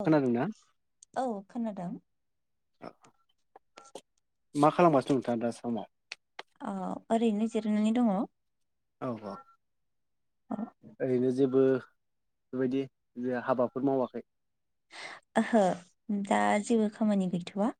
औ खोनादों ना? औ खोनादों। [unintelligible] मा खालामगासिनो नोंथाङा दा समाव ओ ओरैनो जिरायनानै दङ औ औ औ ओरैनो जेबो बेबायदि जे हाबाफोर मावाखै? ओहो दा जेबो खामानि गैथवा।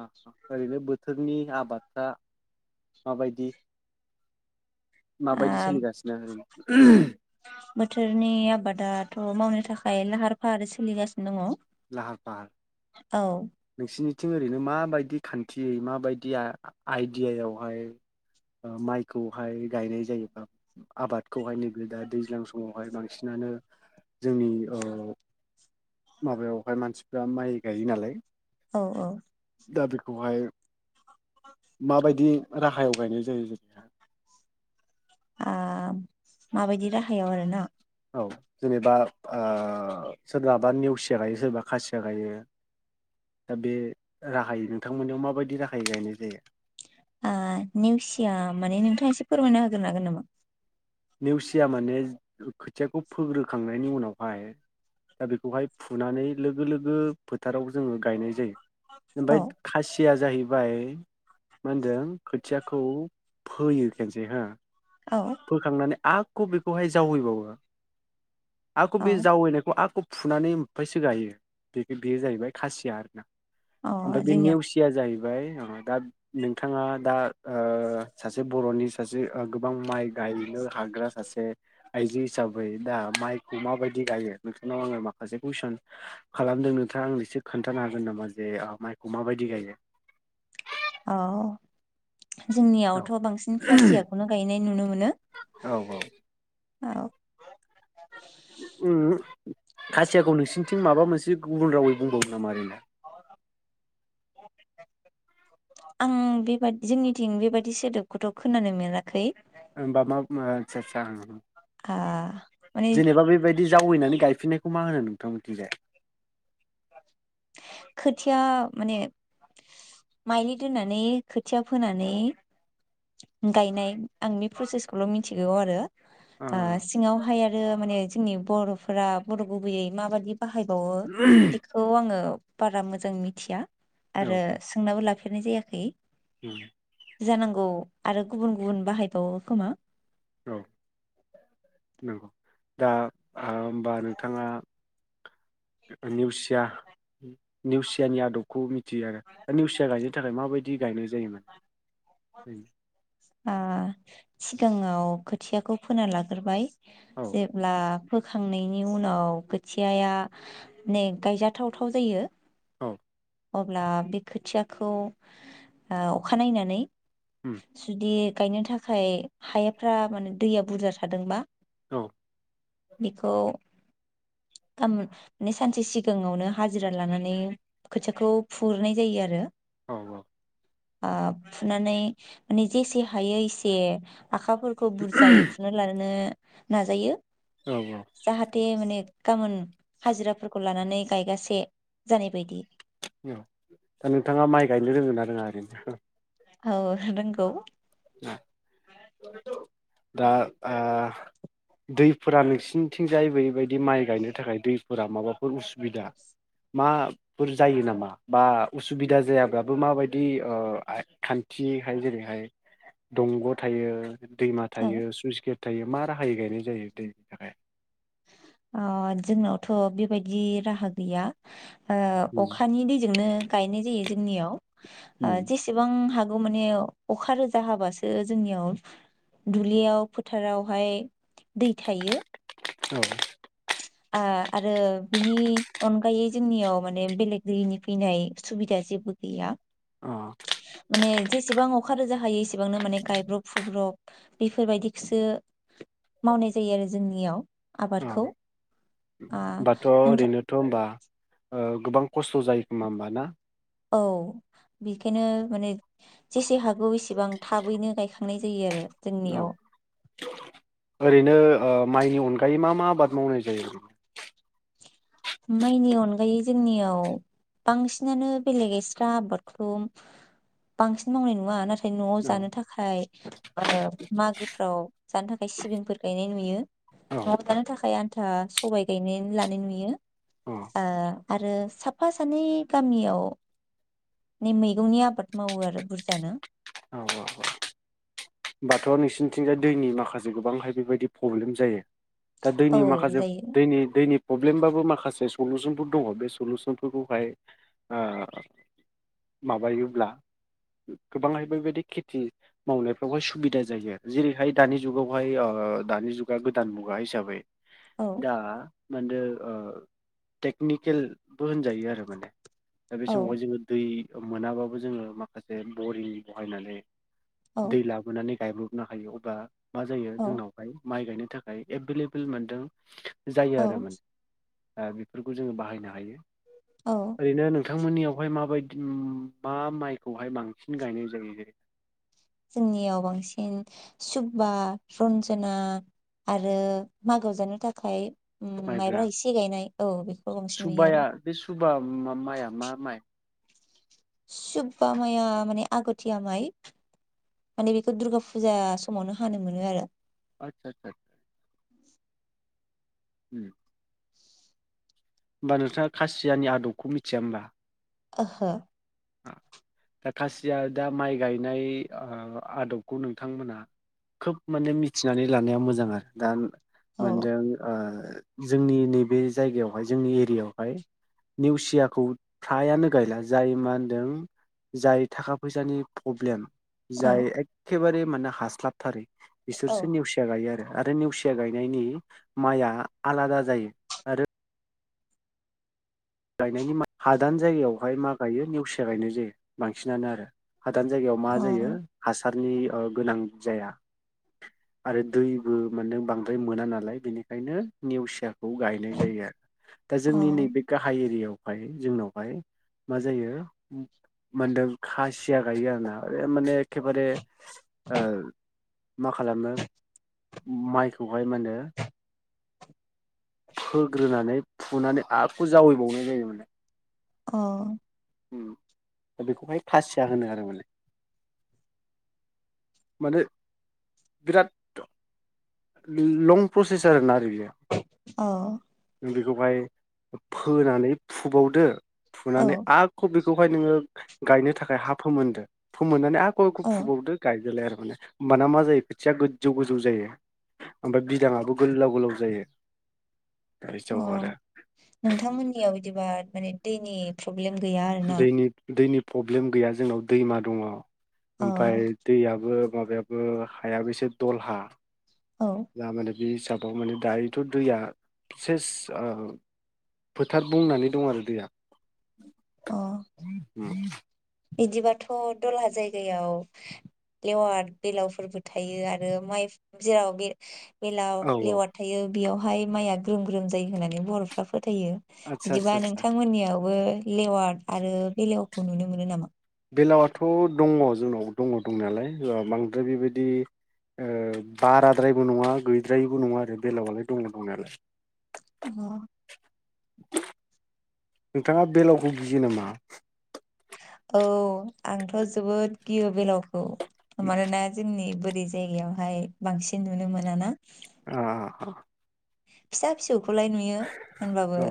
अ अ ओरैनो बोथोरनि आबादफ्रा माबायदि माबायदि आ सोलिगासिनो ओरैनो बोथोरनि आबादाथ मावनो थाखाय लाहार फाहार सोलिगासिनो दङ। लाहार फाहार नोंसिनि थिं ओरैनो माबायदि खान्थियै माबायदि आइडियायावहाय ओ माइखौहाय गायनाय जायोबा ओ आबादखौहाय नैबे दा दैज्लां समावहाय बांसिनानो जोंनि ओ माबायावहाय मानसिफ्रा माइ गायो नालाय औ औ। दा बेखौहाय माबायदि राहायाव गायनाय जायो जोंनिहा माबायदि राहायाव आरो ना? औ जेनेबा ओ सोरनाबा नेवसिया गायो सोरबा खासिया गायो दा बे राहायै नोंथांमोननियाव माबायदि राहायै गायनाय जायो? ओ नेवसिया माने नोंथाङा एसे फोरमायना होग्रोन हागोन नामा? नेवसिया माने खोथियाखौ फोग्रोखांनायनि उनावहाय दा बेखौहाय फुनानै लोगो लोगो फोथाराव जोङो गायनाय जायो। औ ओमफ्राय खासिया जाहै बाय मा होनदों खोथियाखौ फोयो खेनसे हा औ फोखांनानै आ क‌ बेखौहाय जावैबावो। आकु औ बि जावै नायखौ आकु फुनानै ओमफ्रायसो गायो बे बेयो जाहैबाय खासिया आरोना। अ ओमफ्राय बे जोंनियाव नेवसिया जाहैबाय बाय दा नोंथाङा दा ओ सासे बर'नि सासे गोबां माइ गायनो हाग्रा सासे आइजो हिसाबै दा माइखौ माबायदि गायो नोंथांनाव आङो माखासे कुइसन खालामदों। नोंथाङा आं एसे खोन्थानो हागोन नामा जे माइखौ माबायदि गायो? औ। औ जोंनियावथ‌ बांसिन खासियाखौनो गायनाय नुनो मोनो। औ औ औ। उम खासियाखौ नोंसिनिथिं माबा मोनसे गुबुन रावै बुंबावो नामा ओरैनो? आं बेबादि जोंनिथिं बेबायदि सोदोबखौथ खोनानाय मोनाखै। होमबा मा ओ आस्सा आस्सा उम। आ माने जेनेबा बेबायदि जावैनानै गाय फिननायखौ मा होनो नोंथां बिथिंजाय? खोथिया माने माइलि दोननानै खोथिया फोनानै गायनाय आं बे प्रसेसखौल ' मिथिगौ आरो। ओ सिङावहाय आरो माने जोंनि बर'फोरा बर' गुबैयै माबादि बाहायबावो बेखौ आङो बारा मोजां मिथिया। आरो सोंनाबो लाफे रनाय जायाखै। उम। जानांगौ आरो गुबुन गुबुन बाहायबावो खोमा। औ नंगौ। दा ओ ओमबा नोंथाङा नेउसिया नेउसियानि आदबखौ मिथ यो आरो दा नेवसिया गायनो थाखाय माबाय दि गायनाय जायोमोन उम? ओ सिगाङाव खोथियाखौ फोना लाग्रोबाय औ जेब्ला फोखांनायनि उनाव खोथियाया ने गायजाथावथाव जायो औ अब्ला बे खोथियाखौ ओ अखा नायनानै उम जुदि गायनो थाखाय हायाफ्रा माने दैया बुरजा थादोंबा औ बेखौ गामो माने सानसे सिगाङावनो हाजिरा लानानै खोथियाखौ फुग्रोनाय जायो आरो। औ औ ओ फुनानै माने जेसे हायो एसे आखाफोरखौ बुरजायै फुना लाग्रोनो नाजायो। औ औ जाहाथे माने गाबोन हाजिराफोरखौ लानानै गायगासे जानाय बायदि। औ दा नोंथाङा माइ गायनो रोंङोना रोङा ओरैनो? औ रोंगौ। दा आ दैफोरा नोंसिनिथिंजाय बेबायदि माइ गायनो थाखाय दैफोरा माबाफोर उसु बिदा मा फोर जायो नामा बा उसुबिदा जायाब्लाबो माबायदि ओ आ खान्थिहाय जेरैहाय दंग थायो दैमा औ थायो सुइस गेट थायो मा राहायै गायनाय जायो दैनि थाखाय? ओ जोंनावथ बेबायदि राहा गैया। ओ अखानि दैजोंनो गायनाय जायो जोंनियाव। उम जेसेबां हा गौ माने अखा रोजा हाबासो जोंनियाव दुब्लियाव फोथारावहाय दै थायो। औ ओ आरो बिनि अनगायै जोंनियाव माने बेलेग दैनि फैनाय सुबिदा जेबो गैया। अ माने जेसेबां अ अखा रोजा हायो इसेबांनो माने गायब्रब फुब्रब बेफोरबायदिखौसो मावनाय जायो आरो जोंनियाव आबादखौ। आ दाथ नोंथां ओरैनोथम बा ओ गोबां खस्थ जायो खोमा ओमबा ना? औ बेखायनो माने जेसे हाग गौ इसेबां थाबैनो गायखा खांनाय जायो आरो औ जोंनियाव ओरैनो ओ माइनि अनगायै मा मा आबाद मावनाय जायो? माइनि अनगायै जोंनियाव बांसिनानो बेलेग एस्रा आबादखौ बांसिन मावनाय नुआ नाथ थाय नआव औ जानो थाखाय ओ मागोफ्राव जानो थाखाय सिबिंफोर गायनाय नुयो औ नआव जानो थाखाय आन था सबाइ गायनेन लानाय नुयो। अ ओ आरो साफा सानै गामियाव नि मैगंनि आबाद मावो आरो बुरजानो। ओमबाथ नोंसिनिथिंजाय दैनि माखासे गोबांहाय बेबायदि पब्लेम जायो। दा दैनि औ माखासे जायो दैनि दैनिब पब्लेमबाबो माखासे सलुसनफोर दङ बे सलुसनफोरखौहाय ओ माबायोब्ला गोबांहाय बेबायदि खेथि मावनायफ बेवहाय सुबिदा जायो आरो जेरैहाय दानि जुगावहाय ओ दानि जुगा गोदान मुगा हिसाबै औ दा माहोनदों ओ टेकनिकेलबो होनजायो आरो माने। दा बे औ समावहाय जोङो दै मोनाबाबो जोङो माखासे बरिं बहायनानै औ दै लाबोनानै गायब्रबनो हायो अब्ला मा जायो औ जोंनावहाय माइ गायनो थाखाय एबेलेबोल मोनदों। जायो औ आरो माने ओ बेफोरखौ जोङो बाहायनो हायो। औ ओरैनो नों थांमोननियावहाय माबायदि मा माइखौहाय बांसिन गायनाय जायो जेरै जोंनियाव बांसिन सुबा रन्जना आरो मागो जानो थाखाय उम माइब्रा एसे गायनाय औ बेखौ बांसिन नुयो आरो सुबाया बे सुबा मा माइआ मा माइ? सुबा माया माने आगथिया माइ माने बेखौ दुर्गा फुजा समावनो हानो मोनो आरो [unintelligible] [inaudible] उम ओमबा नोंस्रा खासियानि आदबखौ मिथिया ओमबा ओहो दा खासिया दा माइ गायनाय ओ आदबखौ नोंथांमोनहा खोब माने मिथिनानै लानाया मोजां आरो दा औ मोनदों ओ जोंनि नैबे जायगायावहाय जोंनि एरियायावहाय नेवसियाखौ फ्रायानो गायला जाय माहोन दों जाय थाखा फैसानि प्रब्लेम जाय एखेबारे माने हास्लाबथारै औ बिसोरसो नेवसिया गायो आरो आरो नेवसिया गायनायनि माइआ आलादा जायो आरो गायनायनि मा हादान जायगायावहाय मा गायो नेवसिया गायनाय जायो बांसिनानो आरो हादान जायगायाव मा जायो औ हास सारनि ओ गोनां जाया आरो दैबो माने बांद्राय मोना नालाय बेनिखायनो नेवसियाख खौ गायनाय जायो आरो दा अ जोंनि नैबे गाहाय एरियाव हाय जोंनावहाय मा जायो मोनदों खासिया गायो आरोना माने एखेबारे ओ माख खालामो माइखौहाय मा होनो फोग्रोनानै फुनानै आख जावैबावनाय जायो माने अ दा बेखौहाय खाासिया होनो आरो माने। माने बिराद लं प्रसेस आरोना आरो बियो बिखौहाय फोनानै फुबावदो अ फुनानै औ आख बेख खौहाय नोङो गायनो थाखाय हा फोमोनदो फोमोननानै आ ख एखौ औ फुबावदो गायदोलाय आरो होमबाना मा जायो खोथिया गोजौ गोजौ जायो। ओमफ्राय बिदाङाबो गोलाव गोलाव जायो। अ गायजाव आरो नोंथांमोननियाव दिबा माने दैनि प्रब्ल दैनि दैनि प्रब्लेम गैया जोंनाव दैमा दङ। अ ओमफ्राय दैयाबो माबायाबो हायाबो एसे दलहा औ [unintelligible] बे हिसाबाव माने दायोथ' दैया सेस ओ फोथार बुंनानै दं आरो दैया। [unintelligible] इदिबाथ' दलाहा जायगायाव लेवार बेलावफोरबो थायो आरो माइ जेराव बे बेलाव औ औ लेवार थायो बेयावहाय माइआ ग्रोम ग्रोम जायो होननानै बरफ्रा फो थायो आदसा आदसा बिदिबा आदसा नोंथांमोननियावबो लेवार्ड आरो बेलेव खौ नुनो मोनो नामा बेलावथ दङ जोंनाव दङ दं नालाय बांद्राय बेबायदि ओ बाराद्रायबो नङा गैद्रायबो नङा आरो बेलावलाय दङ दं नालाय अ नोंथाङा बेलावखौ गियो नामा औ आंथ' जोबोद गियो बेलाव औ मानोना जोंनि बोर बे जायगायावहाय बांसिन नुनो मोना ना अ फिसा फिसौ बेखौलाय नुयो होनबाबो औ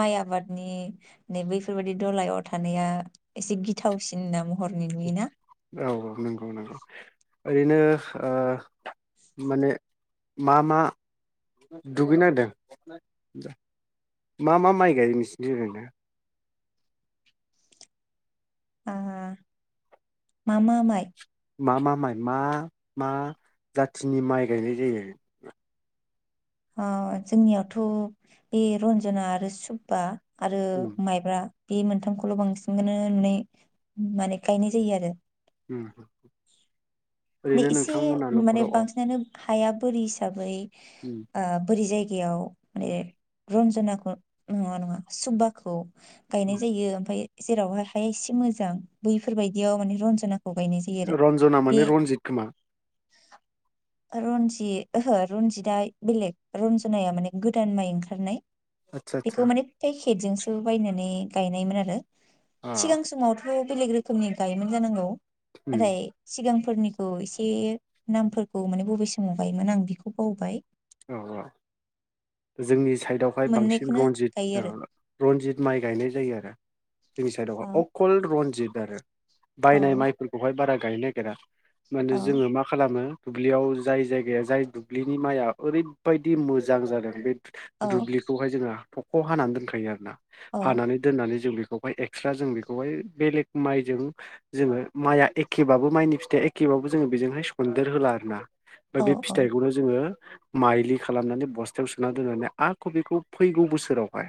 माइ आबादनि नै बैफोरबायाददि दलायाव थानाया एसे गिथावसिना महरनि नुयोना औ औ नंगौ नंगौ ओरैनो ओ माने मा मा दुगैनागेरदों मा मा माइ गायो नोंसोरनिथिं ओरैनो ओ मा मा माइ मा मा माइ मा मा जाथिनि माइ गायनाय जायो ओ‌ जोंनियावथ' बे रन्जना आरो सुब्बा आरो उम माइब्रा बे मोनथामखौल बांसिननो नुनाय माने गायनाय जायो आरो ओम माने ओरैनो एसे नोंथांमोना माने नखराव अ बांसिनानो हाया बोरि हिसाबै ओम ओ बोरि जायगायाव माने रन्जनाखौ नङा नङा सुबभाखौ गायनाय उम जायो ओमफ्राय जेरावहाय हाया एसे मोजां बैफोरबाय दियाव माने रन्जना रन्जना माने रनजित खोमा रनजित ओहो रनजिदाइ बेलेग रन्जनाया माने गोदान माइ ओंखारनाय आदसा आदसा बेखौ माने‌ फेस केेटजोंसो बायनानै गायनायमोन आरो अ सिगां समावथ बेलेग रोखोमनि गायोमोन जानांगौ उम नाथाय सिगां फोरनिखौ एसे नामफोरखौ माने बबे समाव गायोमोन आं बेखौ बावबाय औ औ जोंनि साइदआवहाय बांसिन मोननैखौनो गायो रनजित आरो रनजित माइ गायनाय जायो आरो जोंनि साइड अकल रनजित [unintelligible] औ बायनाय मायफोरखौहाय बारा गायनो नागेरा माने औ जोङो मा खालामो दुब्लियाव जाय जायगाया जाय दुब्लिनि मायआ ओरैबायदि मोजां जादों बे औ दुब्लिखौहाय जोङो थख' हानानै दोनखायो आरो ना औ हानानै दोननानै जों बे खौहाय एक्सट्रा जों बेखौहाय बेलेग मायजों जोङो मायआ एखेबाबो मायनि फिथाइया एखेबाबो जोङो बेजोंहाय सन्देर होला आर ना ओमफ्राय औ बे फिथाइखौनो जोङो माइलि खालामनानै बस्थायाव सोना दोननानै आक बिखौ फैगौ बोसोरावहाय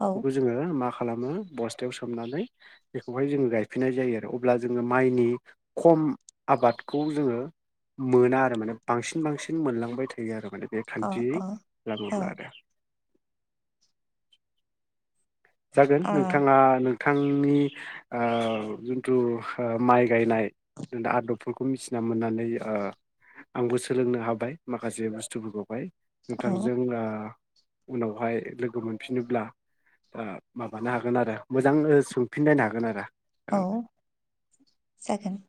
औ बेखौ जोङो मा खा लामो बस्थायाव सोमनानै बेखौहाय जोङो गायफिननाय जायो आरो अब्ला जोङो मायनि खम आबादखौ जोङो मोना आरो माने बांसिन बांसिन मोनलांबाय थायो आरो। माने बे औ खान्थियै औ लाबोब्ला आरो जागोन औ नोंथाङा नों थांनि आ जिनथु माय गायनाय आदबफोरखौ मिथिना मोननानै आंबो सोलोंनो हाबाय माखासे बुस्थुफोरखौहाय औ नोंथांजों ओ उनावहाय लोगो मोनफिनोब्ला ओ माबानो हागोन आरो मोजां सोंफिनलायनो हागोन आरो औ जागोन